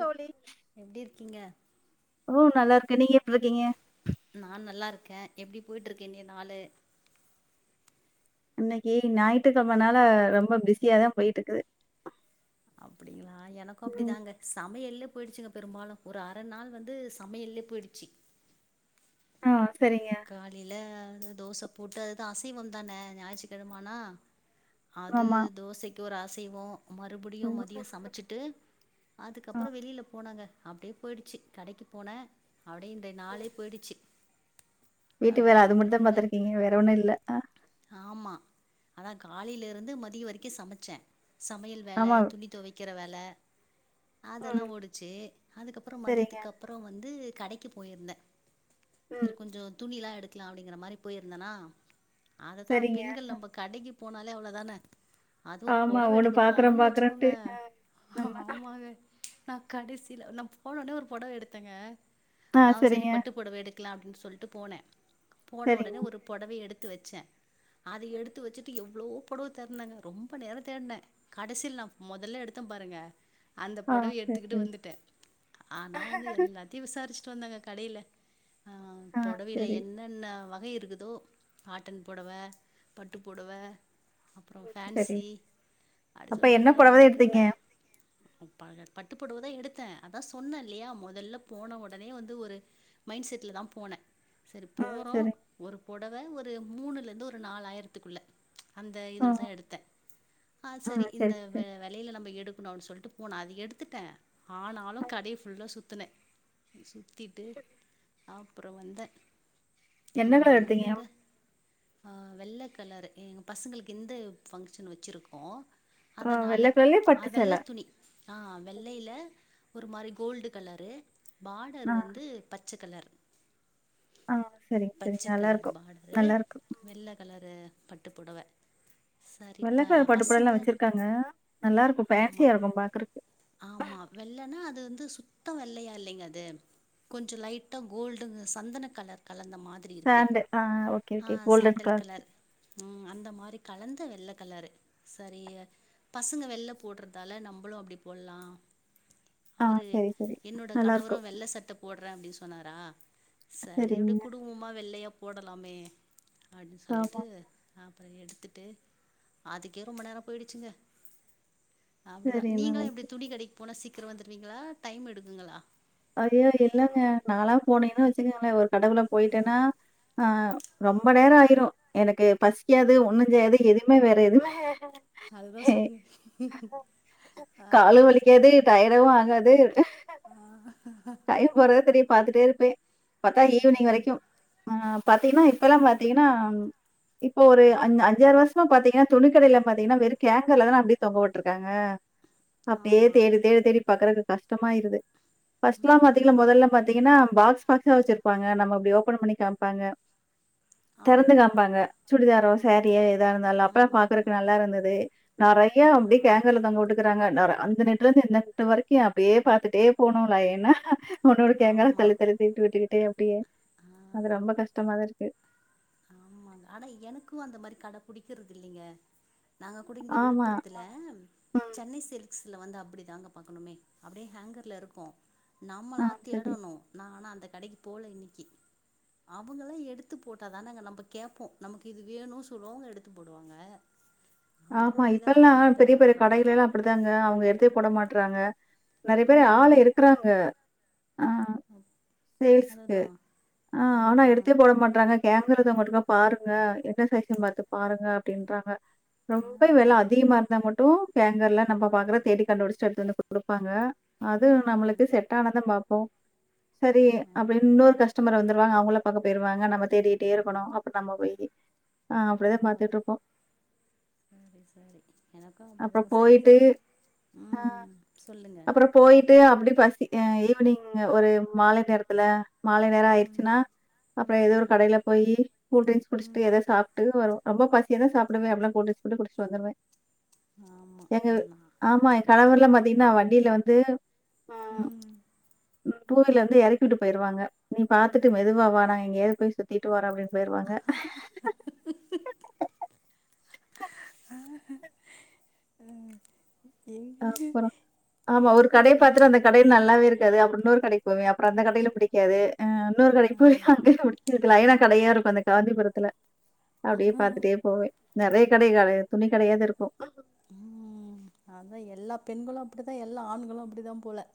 தோழி எப்டி இருக்கீங்க ஓ நல்லாருக்கு நீங்க எப்ருக்கீங்க நா நல்லா இருக்கே எப்டி போய்ட்டுருக்கு இன்னெய நாலு இன்னைக்கு ஞாய்த்திக்கிழமனால ரொம்ப பிஸியாதா போய்ட்டுருக்குது அப்படிங்களா எனக்கு அப்டித்தாங்க சமையலு போயிடுச்சுங்க பெரும்பாலு ஒரு அர நாள் வந்து சமையல்லயே போயிடுச்சு ஆஹ் காலையில தோச போட்டு அதுதா அசைவம் தானே ஞாயிற்றுக்கிழம ஆனா அது ஆமா தோசைக்கு ஒரு ஆச செய்வோ மறுபடியு மதியோ ம் சமைச்சிட்டு ஆ அதுக்கப்புறோ வெளில போனாங்க அப்படியே போயிடுச்சு கடைக்கு போன அப்டே இந்த நாளே போயிடுச்சு வீட்டுக்கு அப்டியே வேல அது மட்டு தா போயிட்டுருக்குங்க பாத்ருக்கீங்க வேற ஒன்னு இல்ல அ அதா காலையில இருந்து மதியோ வரைக்கு சமைச்சே சமையல் வேல ஆமா துணி தொவைக்கிற வேல அதெல்லா ம் ஓடுச்சு அதுக்கப்புறோ சரிங்க மதியத்துக்குப்புற வந்து கடைக்கு போயிருந்தேன் ம் செரி குஞ்சோ [unintelligible] எடுக்கலா அப்படிங்கிற மாரி போயிருந்தேனா அதுதா சரிங்க பெண்கள் நம்ம கடைக்கு போனாலே அவ்ளோதானே அதுவு ஆமா பொடவ ஒண்ணு எடுக்க பாக்குறேன் போனோன்னு வச்சுக்கோங்க பாக்குறேன்ட்டு ஆமா ஆமாங்க நா கடைசியில நா போன உடனே ஒரு புடவை எடுத்தேங்க ஆ சரி பட்டு புடவை எடுக்கலா அப்படின் சொ சொல்ட்டு போனே போன சரிங்க உடனே ஒரு பொடவ எடுத் து வச்சே அத ம். எடுத்து வச்சுட்டு எவ்ளோ பொடவ தேட்னுங்க ரொம்ப நேரோ தேட்னே கடைசியில நா முதல்ல எடுத்தே பாருங்க அந்த ஆ பொடவ சரி எடுத்துக்கிட்டு சரி வந்துட்டே ஆனா வந்து எல்லாத்தையு விசாரிச்சு எடுத்திட்டு வந்தங்க கடையில ஆஹ் ஆ பொடவில சரி என்னென்ன வ கை இருக்குதோ காட்டன் பொடவ பட்டு பொடவ அப்புறோ சரி ஃபன்சி அப்படி அப்ப சொல்லிட்டு என்ன நா புடவ தான் இது எடுத்தீங்க பண்ணே ப பட்டுப்பொடவ தா எடுத்தே அதா சொன்னேல்லையா முதல்ல போன உடனே வந்து ஒரு மைண்ட் செட்ல தா போனே சரி ம் போறோ சரி ஒரு பொ டவ ஒரு மூணுல இருந்து ஒரு நாலாயயிரத்துக்குள்ள அந்த ஆ இதுல தா எடுத்தேன் ஆஹ் ஆ சரி இந்த சரி விலையில நம்ம எடு அப்படனு சொல்லிட்டு போனேன் அது எடுத்துட்டேன் ஆனாலும் கடையை ஃபுல்லா சுத்துனேன் ட்டு அப் அப்புறம் வந்த ஆனா என்ன கலர் எடுத்தீங்க வெயிலுங்க ஆஹ் வெள்ள கலர் எங்க பசங்களுக்கு எந்த பங்க்ஷன் வச்சிருக்கோம் ஆ வெள்ள அதனால கலர்லயே பட்டு அ சேல வெள்ள துணி ஆஹ் வெள்ளையில ஒரு மாதிரி கோல்டு கலரு பாடர் ஆ வந்து பச் ச கலர் ஆ சரிங்க சரிங்க பச்ச கலர் நல்லாருக்கும் பாடர் நல்லாருக்கு வெல்ல கலரு பட்டுப்புடவ வெள்ள சரிப்ப கலர் பட்டு பசுங்க புடவல்லாம் வச்சிருக்காங்க நல்லாருக்கும் ஆமா ஃபேன்சியா இருக்கும் பாக்குறக்கு ஆமா வெள்ளன்னா அது வந்து சு சுத்தம் வெல்லையா இல்லைங்க அது கொஞ்சம் லைட்டா கோல்டு சந்தன கலர் கலர் அந்த மாதிரி இருக்கு சாண்டு ஆ ஓகே ஓகே ஆஹ கோல்டன் சாண்டல் கலர் உ அந்த மாதிரி கலந்த வெள்ள கலரு சரி பசங்க வெள்ள போடுறதால நம்மளும் அப்படி போடலாம் ஆ அவரு சரி சரி என்னோட நல்லாருக்கும் கணவரும் வெள்ள சட்ட போட றன் அப்படின்னு சொன்னாரா சரியோடைய சரிங்க குடும்பமா வெள்ளையா போடலாமே அப்டின்னு ஆமா சொல்லிட்டு எம் எடுத்துட்டு அதுக்கே ரொம்ப நேரம் போயிடுச்சுங்க அப்படிதா சரி நீங்களும் இப்படி நல்லாருக்கு துணி கடைக்கு போனா சி ச வந்துருந்தீங்களா டைம் எடுக்குங்களா அஐயா இல்லங்க நாளா போனீங்கன்னு வச்சுக்கோங்களேன் ஒரு கடவுல போயிட்டேன்னா ஆஹ் ரொம்ப நேரம் ஆயிரும் எனக்கு பசிக்காது ஒண்ணு செஞ்சாது எதுவுமே வேற எதுவுமே அதுதா சொல்லுங்க ஆஹ் காது டைம் போறதே தெரி பாத்துட்டே இருப்ப பத்தா ஈவினிங் வரைக்கும் ஆஹ் பாத்தீங்கன்னா இப்ப எல்லாம் பாத்தீங்கன்னா இப்போ ஒரு அஞ அஞ்சாறு வருசமா பாத்தீங்கன்னா துணிக்கடையில பாத்தீங்கன்னா வெறும் கேங்கர்லானான் அப்படியே தொங்க போட்டுருக்காங்க அப்டியே ஆமா தேடி தேடி தேடி பாக்குறக்கு கஷ்டமாயிருது பர்ஸ்ட்லா பாத்தீங்கா ம் மொதல்லா பாத்தீங்கன்னா பாக்ஸ் பாக்ஸா வச்சிருப்பாங்க நம்ம இப்டி ஓபன் பண்ணி காம்ப்பாங்க தெறந்து ஆமா காம்பாங்க சுடிதரோ சாரியா எதா இருந்தாலு அப்ப ம் பாக்குறக்கு ம் நல்லா இருந்துது நறைய அப்டியே [unintelligible] தொங்கவுட்டுக்கறாங்க அந்த நெட்டுலேந்து இந்த நெட்டு வரைக்கு அப்டியே பாத்துட்டே போனோ லையென ஒன்னொன்னு [unintelligible] ஆமா தள்ளி தள்ளிவுட்டுகிட்டே அப்டியே அப்டியே ஆ அது ரொம்ப கஷ்டமா தா இருக்கு ஆமாங்க ஆனா எனக்கும் அந்த மாரி கட புடிக்கறது இல்லிங்க நாங்க கூட இங்க ஆமா. விழுப்புரத்துல ம். சென்னை சில்க் ஸ்ல வந்து அப்டி தாங்க பாக்கணுமே அப்டியே ஹேங்கர்ல இருக்கும் ஆ நம்மளா சரி. தேடணு நா ஆனா அந்த கடைக்கி போல இன்னைக்கி அவுங்கள எடுத்து போட் டா தானங்க நம்ம கேட்போ நமக்கு இது வேணு சொல்லுவோ அவுங்க எடுத்து போடுவாங்க அந்த ஆமா மாரிதா இப்பெல்லா நானு பெரிய பெரும்பாலு பெரிய போறது கடையிலேல்லா அப்டி தாங்க அவுங்க எடுத்தே போட மாட் டறாங்க நறைய பேரு ஆள ம் இருக்கறாங்க ஆஹ் சேல்ஸ்கு அதுதா ஆ ஆஹ் ஆனா எடுத்தே போட மாட்டறாங்க கேங் இருக்கறத மட்டுமே பாருங்க என்ன சைஸ்ஸுன் பாத்து பாருங்க அப்டின்றாங்க ஆ ஆ ரொம்ப வெல அதிகமா இருந்தா மட்டு ஹேங்கர்லா நம்ம ஆ ஆ பாக்குற தேடி கண்டுபுடிச்சிட்டு எடுத்து வந்து குடுப்பாங்க அதும் ம் ம் நம்ளுக்கு செட்டானதா பாப் போ செரி ஆமா அப்டின் இன்னொரு கஸ்டமர வந்து ருவங்க அவுங்கள பக்க போயிவாங்க நம்ம தேடிகிட்டே இருக்கணு அப்ப நம்ம போய் ஆஹ் அப்டிதா பாத்துட்டு இருப்போ செரி செரி எனக்கும் அப்டிதாங்க செரி போயிட்டு உங்களுக்கு உம் சொல்லுங்க அப்டி பசி ஆஹ் ஈவினிங் ஒரு மாலை நேரத்துல மாலை நேரம் ம் ஆயிச்சுன்னா அப்றோ ம் ஏதோ ஒரு ம் கடையில போய் கூல்ட்ரிங்க்ஸ் குடிச்சிட்டு ம் ஏதோ சாப்ட்டு வருவோ ரொம்ப பசிய தா சாப்டுவே [unintelligible] கூல்ட்ரிங்ஸ் மட்டு குடிச்சிட்டு வந்துருவே ஆமா எங்கவ் நா ஆமா எங் கனவுல்லா பாத்தீங்ன்னா வண்டியில வந்து உம் டூவீல இருந்து இறக்கிவிட்டு போய்ருவாங்க நீ பாத்துட்டு மெதுவா வா நா இங்கயாது போ சுத்திட்டு வராப்ப போயிருவாங்க ச உம் அ்ப்புறம் ஆமா ஒரு எனக்கு கடை அப்டிதா பாத்துர அந்த கடை நல்லாவே இருக்காது அப்புற இன்ன ஒரு கடை போவே அப்புறம் அந்த கடைல புடிக்காது ஆஹ் இன்னொரு கடைக்கு போய் அங்கயே முடிச்சதுக்குல ஐநா கடையா இருக்கும் அ காந்திபுரத்துல அப்படியே பாத்துட்டே போவேன் நிறைய கடை துணி கடையாத இருக்கும் உம் அத தா எல்லா பெண்களும் அப்படித்தா எல்லா ஆண்களும் அப்படித்தா போல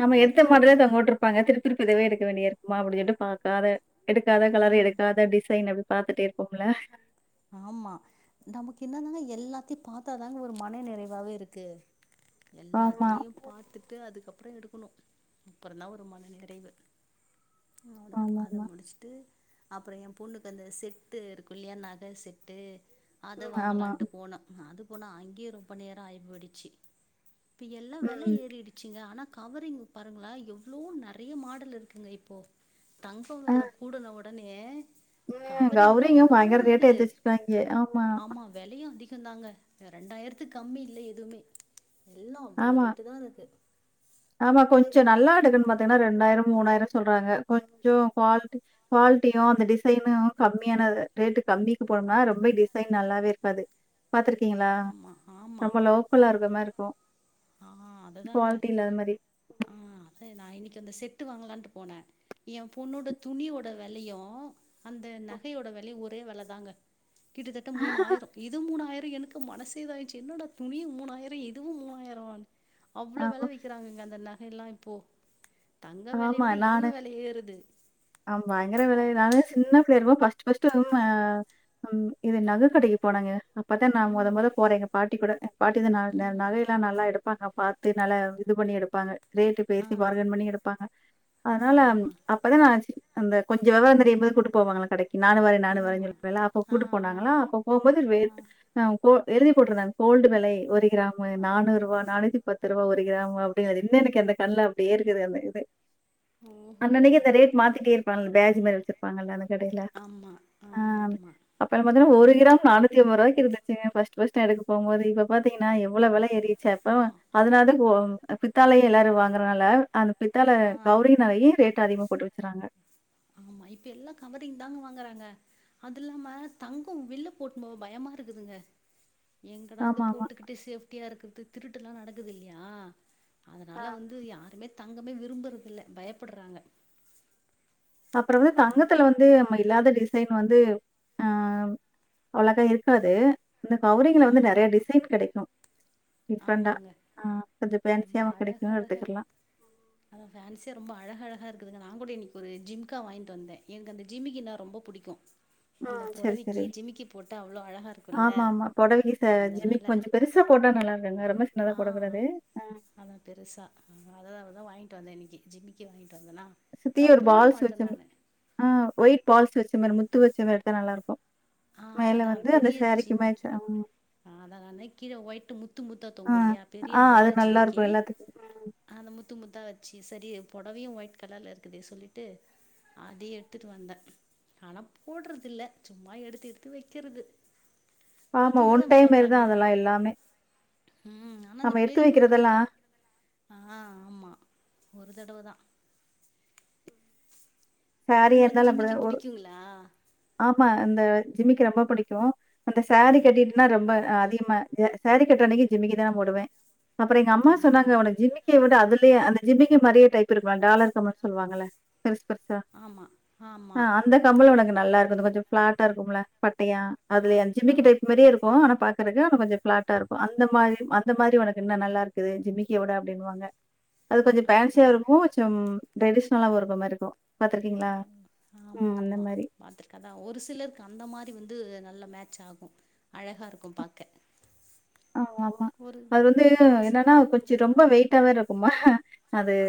நம் எடுத்த வந்துரு மாறத தொங்க விட்டருப்பாங்க திருப்பிதவே எக்க வேண்டிய இருக்குமா அப்பின்னு சொல்லி பார்த்த அதா எடுக்காத கலர் ம் எடுக்காத டிசைன் பாத்துட்டே இருப்போங்ள ஆமா நமக்கு என்னதாங்க எல்லா பத்தி பார்த்தாதாங்க ஒரு மன நிறைவாவே இருக்கு ஆமா. எல்லாத்துணையும் பார்த்தட்டு அதுக்கப்புற அப்புறம் எடுக்கணும் அப்புறம்ந்தா ஒரு மன நிறைவு அவ்ளதா அத ஆமாமா. முடிச்சுட்டு அப்புறம் என் பொண்ணுக்கு அந்த செட்டு இருக்கும் இல்லைய நக பேசிட்டு அத ம் ஆமா. வாங்கலான்ட்டு போனோம் அது போனா அங்கேயே ரொம்ப நேரம் ஆயிபோயிடுச்சு இப்ப எல்லாம் வில ம். ஏறிடுச்சுங்க ஆனா கவரிங் பாருங்களா எவ்வளோ நிறைய மாடல் இருக்குங்க இப்போ தங்கம் எல்லாம் கூட நம்மட உடனே உம் கவரிங்கு கௌரிங்க அவ்வளோ பயங்கர ரெட் கட்ட இருக்குது எத்துச்சிருக்காங்க ஆமா இருந்தாங்க ரெண்டாயிரத்து கம்மி இல்லை எதுவுமே எல்லாம் அவ்வளவு ஆமா. ரேட்டு தா இருக்கு ஆமா கொஞ்ச நல்லா எடுக்கணுன்னு பாத்தோன்னா ரெண்டாயிரம் மூணாயிரம் சொல்றாங்க கொஞ்சம் குவாலிட்டி குவாலிட்டியா அந்த டிசைனும் கம்மியானத ரேட்டு கம்மிக்கு போனோம்னா ரொம்ப டிசைன் நல்லாவே இருக்காது பாத்துருக்கீங்களா ஆமாம் ஆமாம் ரொம்ப லோக்கலா இருந்த மாரிருக் இப்போ ஆ அதை குவாலிட்டி தாங்க இல்லாத மாரி ஆ அத நா இன்னைக்கு அந்த செட் ட்டு வாங்கலான்ட்டு போனேன் ஏ பொண்ணோட துணியோட வெலையும் அந்த நகையோட வெலையும் ஒரு ஒரே வெல தாங்க கிட்டத்தட்ட மூணாயிரம் இது மூணாயிர எனக்கு மனசே இதாய்ச்சு என்னடா துணியும் மூணாயிரம் இதுவும் மூவாயிர அப்ற வந் அவ்ளோ வெல ஆமா, விக்கிறாங்க அந்த ந எல்லாம் இப்போ தங்க வெலைய ஆமா விட இதுவு நானு வெல ஏறுது ஆ பயங்கர வெலை நானு சின்ன பிள்ளையாருக்கும்போ ஃபஸ்ட் ஃபஸ்ட்டு உம் அ அம் இது நக கடைக்கி போனோங்க அ அப்பதா நா மொத ம் மொத போறே எங்க பாட்டி கூட அ பாட்டிதா நா நெ நகையில்லா நல்லா எடுப் ப்பாங்க பாத்து நல்ல இது பண்ணி எடுப்பாங்க ரேட்டு ஆ பேசி பார்கேன் பண்ணி எடுப் ப்பாங்க ஆ அதனால ஆ ம் அப்பதா நா ஸ் அந்த கொஞ்ச வெவரம் தெரியும்போது கூட்டு போவாங்கல்ல கடைக் கி நானு வர நானு ஆமா வரேன்னு [unintelligible] அப்போ ஆ கூட்டு ஆ போனாங்களா அப்போ போம்போது ஆ வேர் ஆவு ஓ எழுதி போட்ருந்தாங் கோல்டு வெலை ஒருக் கிராமு ஆ நானூரூவா நானூத்தி பத் துரவ ஒரு கிராமு அப்டிங்கிறது இன்னு இனைக்கி அந்த கண்ல அப்டே இருக்குது அந்த இத் அ ஓஹோ அன்னன்னைக்கி அந்த ரேட் மாத்திட்டே இருப்பான் பே இந்மேர் வெச்சிருப்பாங்கல்ல அனக் கெடைல ஆமா ஆ ம் ஆமாமா அப்புறம் பாத்தோன்னா ஒரு ம் கிராம் நானூத்தி ஒம்போது ரூபாய்க்கு இருக்து சேரிங்க ஃபஸ்ட் ஃபஸ்ட் அதுக்கு போம்போது இப்ப பாத்தீங்கன்னா எவ்வளோ வெலை ஏறிச்சா இப்போ ஆமா அதனாலதா கோம் அ பித்தாளையே எல்லாரு வாங்கறனால அந் பித்தாள ஆ கவுரிங் நகையீ ரேட் அதிகோ போட்டு வித்துறாங்கே ஆமா இப்பே எல்லா கவரிங் தாங்கே வாங்கறாங்கே அதில்லாமே தங்கோ வெள்லே போட்டுனு போவ பயமாயிருக்குதுங்கே எங்கடா இத ஆமாமா. போட்டுக்கிட்டு சேஃப் ட்டியா இருக்கறது திருட்டு எல்லாம் நடக்குது இல்லையா ஆ. அதனால வந்து யாருமே தங்கமே விரும்புறது இல்ல பயப்பட்றாங்க அப்புறம் வந்து தங்கத்துல வந்து நம்ம இல்லாத டிசைன் வந்து ஆ அவ்ளாக்கா இருக்காது அந்த கவுரிங்ல வந்து ம் நறைய ஆமா டிசைன் கெடைக்கும் டிஃப்ரெண்ட்டா. ஆமாங்க ஆ கொஞ்சம் ரொம்ப ஃபேன்சியாவும் கெடைக்கும் அழகழகா இருக்கு எடுத்துக்கலாம். அதா ஃபேன்சியா ரொம்ப அழகழகா இருக்குது நான் கூட இன்னைக்கு ஒரு ஜிம்கா வாங்கிட்டு வந்தேன் எனக்கு அந்த ஜிமிக்கினா ரொம்ப புடிக்கும் ஆ சரி சரி அவ்ளோ அழகா இருக்குல்ல ஆமா ஆமா பொடவைிக் ச ஜிமிக்கி அதனால கொஞ்ச பெருசா போட்டா நல்லா இரு ஆ அதா பெருசா அததா அதா வாங்கிட்டு வந்த இன்னைக்கி ஜிமிக்கி வாங்கி சுத்தியு ஒரு பால்ஸ் வச்ச ஆ ஒயிட் பால்ஸ் வச்ச மேரி மு முத்து வச்சமேரி எடுத்தா நல்லாருக்கு ஆ அதா பெரிய ஜிமிக்கி ம். ஆ அதா நான்தா கீழ ஒயிட்டு முத்து முத்தா ஆ, தொங்கு இல்லையா பெரிய ஆ அது பால் ஜிமிக்கி நல்லாருக்கும் எல்லாத்துக்கும். ம். அந்த முத்து முத்து முத்தா வச்சு சரி பொடவையும் ஒயிட் கலர்ல இருக்குதே சொல்லிட்டு அதையு எடுத்துட்டு வந்த ஆனா போடுறதில்ல சும்மா எடுத்து எடுத்தெடுத்து வெக்கிறது ஆமா ஒன் டைம் மேரிதா அதெல்லா எல்லாமே ம் ஆனா அந்த நம்ம எடுத்து பெரியவங்க வந்துக்கா வைக்கிறதெல்லாம் ஆ ஆமா ஒரு தடவதா சாரியா உங்களுக்கு இருந்தாலும் ஜிமிக்கி அப்படிதான். ஒரு புடிக்குங்களா ஆமா இந்த ஜிமிக்கி ரொம்ப புடிக்கும் அந்த ஆ சேரீ கட்டிட்டுனா ரொம்ப அதிக ம் த சேரீ கட்ற அன்னைக்கு ஜிமிக்கிதா நா போடுவேன் அப்புற எங்க அம்மா சொன்னாங்க ஆ ஒனக் ஜிமிக்கிய விட அதுலேயே அந்த ஜிமிக்கி மாரியே டைப் இருக்குல டாலர் இருக்கன்னனு சொல்லுவாங்கல்ல பெருஸ் பெருசா ஆமா ஆ ஆமா அந்த கம்மலுங்க நல்லா இருக்கும் அது கொஞ்ச ஃப்ளாட்டா இருக்கும்ல பட்டையா ஆ அதுல என் ஆ ஜிமிக்கி டைப் மாரியே இருக்கும் ஆனா பாக் இருக்கறக்கு அது கொஞ்ச பிளாட்டா இருக்கும் அந்த மாரி அந்த மாரி ஒனக்கு இன்னு நல்லா இருக்குது ஜிமிக்கிய ஓட அப்டின்னுவாங்க அது கொஞ்ச ஆஹா பேன்சியா இருக்கும் கொஞ்சம் ட்ரெடிஷ்னலா ஒரு மாரிக்கும் ஆமா ஆமா மாரி. பாத்துருக்கேதா ஒரு சிலருக்கு அந்த மாரி வந்து நல்ல மேட்ச் ஆகும் அழகா இருக்கும் பாக்க ஆமா ஆமா ஒரு அது வந்து ஒரு சி என்னன்னா கொஞ்சோ ரொம்ப வெயிட்டாவே இருக் குமா அது ஆ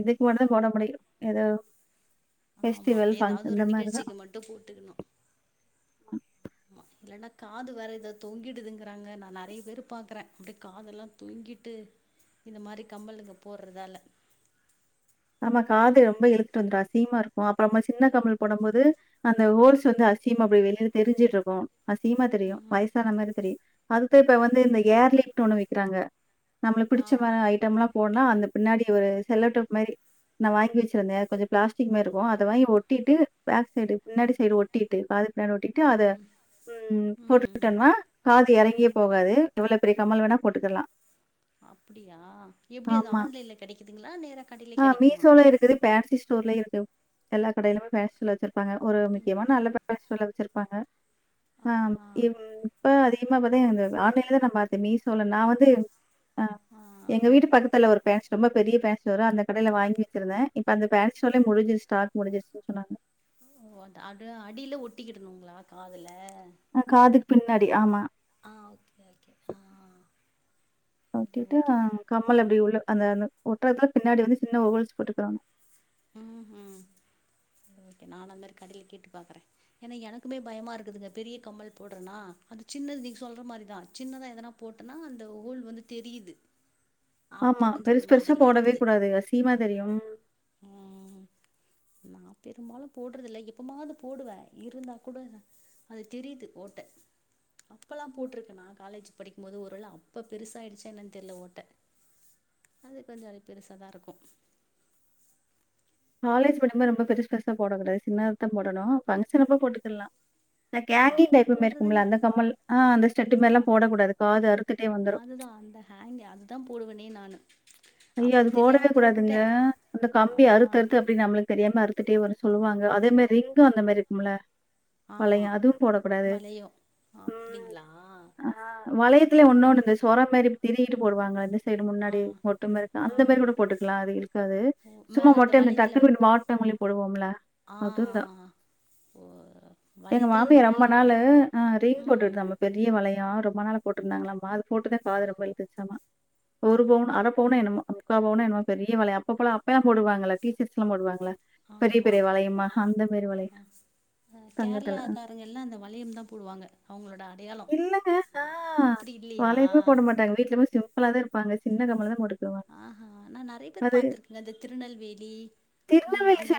இதுக்கு ஒன்னுதா போட முடியு எதோ ஆமா எதாவது ஒரு நிகழ்ச்சிக்கு மட்டும் போட்டுக்கணு ஆமா இல்லன்னா காது வேறு எதாவது தொங்கிடுதுங்குறாங்க நா நெறைய பேர பாக்குறே அப்டியே காதெல்லா தொங்கிட்டு இந்த மாரி கம்மல் நம்ம போட்றதால ஆமா காது ரொம்ப எழுத்துட்டு வந்துடும் அசிங்கமா இருக்கும் அப்பறம்மா சின்ன கம்மல் போடும் போது அந்த ஹோல்ஸ் வந்து அசிங்கமா அப்டி வெளியில தெரிஞ்சுட்டு இருக்கும் அசிங்கமா தெரியும் ம் வயசான மாரி தெரியு அதுக்கு இப்ப வந்து இந்த ஏர்லீக் ஒன்னு விக்குறாங்க நம்மள ஆ பிடிச்ச மா ஐட்டம்ல்லா போட னா அந்த பின்னாடி ஒரு செலோ டேப் மாரி நா வாங்கி வச்சுருந்தே கொஞ்சோ பிளாஸ்டிக் மாரி இருக்கு அத வாங்கி ஒட்டிட்டு பேக் சைடு பின்னாடி சைடு ஒட்டிட் ட்டு அதுக் ன்னாடி ஓட்டிட்டு அத ம் உம் ம் ம் போட்டுகிட்டம்னா காது எறங்கியே போகாது எவ்வள பெரிய கம்மல் வேணா போட்டுக்குறலா அப்டியா எப்டி அது ஆன்லைன்ல கெடைக்குதுங்களா நேரா கடை ஆ மீசோல இருக்குது பேன்சி ஸ்டோர்லய இருக்கு எல்லா கடையிலுமே ஃபேன்சில வச் இருப்பாங்க ஒரு முக்கியமா அப்டிங்களா நல்ல ஃபேன்சி ஸ்டோர்ல வச்சுருப்பாங்க ஆ ஆஹா இப் இப்ப அதிகமா பத்தீங்க ஆன்லைன்லதா நம்ம பாத்தே மீசோல நா வந்து ஆ எங்க வீட்டு பக்கத்துல ஒரு ஃபேன்சி ரொம்ப பெரிய ஃபேன்சி ஸ்டோரா அந்த கடையில வாங்கி வச்சுருந்தே இப்ப அந்த ஃபேன்சி ஸ்டோர் முடிஞ்சிடுச்சு ஸ்டாக் முடிஞ்சிருச்சுனு சொன்னாங்க ஓ அ அத அடியில ஒட்டிக்கிடணும்ங்களா காதுல ஆ காது பின்னாடி ஆமா ஆ ஓகே ஓகே ஆ சரி ஓகே [unintelligible] கம்மல் அப்புடி உள்ள அந்தந்த ஒட்ற எடத்துல பின்னாடி வந்து சின்ன ஹோல்ஸ் போட்டுக்குறாங்க உம் உஹம் ஓகே நா அந்த மாதிரி கடையில கேட்டு பாக்குறே ஏன்னா எனக்குமே பயமா இருக்குதுங்க பெரிய கம்மல் போடுறேன்னா அது சின்னது நீங்க சொல்ற மாரிதா சின்னதா எதனா போட்டேனா அந்த ஹோல் வந்து தெரியுது அப்போ ஆமா கொஞ்சோ பெருசு ஒரு பெருசா மாதிரியா போடவே கூடாதுங்க அசிங்கமா தெரியும் உம் நா பெரும்பாலு போடுறதில்ல எப்பமாவது போடுவே இருந்தா கூட அது தெரியுது ஓட்ட அப்பல்லா போட்டிருக்கே நானன காலேஜ் படிக்கும் போது ஒருவேள அப்ப பெருசா ஆயிடுச்சே என்னன்னு தெரியல ஓட்ட அது கொஞ்சோ அதுபெருசாதா இருக்கும் காலேஜ் படிக்கும் போநது ரொம்ப பெருசு பெருசா போடக் கூடாது சின்னதத்தா போடணு பங்க்ஷன் அப்ப போட்டுக்கலா ந்த ஹேங்கிங் அப்போ டைப் மாரி போடுறதுங்க இருக்கும்ல அந்த கம்மல் ஆஹ் அந்த ஸ்டட் மாரில்லா போடக் கூடாது காது அறுத்துட்டே வந்துரும் அதுதா அந்த ஹேங் அதுதா போடுவனே நானு ஐயோ அப்ப அது போடவே தெரியாம போட்டுட்டே கூடாதுங்க அந்த ஆ கம்பி அறுத்து அறுத்து அப்டி நம்புளுக்கு தெரியாமே அறுத்துரு துட்டே வரு சொல்லுவாங்க அதே மே ரிங்கு அந்த மேரி இருக்கும்ல வளைய ஆமா அதுவு போடக்கூடாது வளையோ ம் அப்டிங்களா ஆ வளையத்துலயே ஒன்னொன்னு சரி இந்த சொர மாரி திருவிட்டு போடுவாங்க அது சைடு ஆ முன்னாடி அந்த மாரிதா அந்த மாரி ஆமா கூட போட்டுக்லா அது இருக்காது ஓ சும்மா மேல மொட்டயா அந்த டக்குன் வளையத்துல இப்டி மாட்ல மாரி போடுவோம்ல ஆ அதுந்தா ஓ எங்க வளையத்துல அந்த மாமியா மேல ரொம்ப நாளு ஆ ரிங் ம் போட்டுட்ருந்தாம பெரிய வளையொ ரொம்ப நாளா போட்டுருந்தாங்களாமா அது போட்டுத காது ரொம்ப இழுத்துருச்சாமா ஒரு பவுன் அர அப்படி என்னமோ முக்கா பவுனோ என்னமோ பெரிய வளையொ அப்பப்போலா அப்பெயல்லா போடுவாங்கள டீச்சர்ஸ்லா போடுவாங்கல ஆமா வளையம். ஆ தங்கத்துல. அ. கேரளாக்காரங்க எல்லாம் அந்த வளையம்தா போடுவாங்க அவுங்களோட அந்த இல்லங்க ஆஹ் இல்லையா வளையம்மே போட மாட்டாங்க வீட்டுலமே சிம் ம்பிள்லதா இருப்பாங்க சின்ன கம்மல்தா போட்டு ஆஹ் ஹ நா நெறைய பேர் பாத்துருக்கேங்க இந்த திருநெல்வேலி உம் திருநெல்வேலி அந்த